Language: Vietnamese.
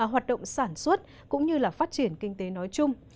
hoạt động sản xuất cũng như là phát triển kinh tế nói chung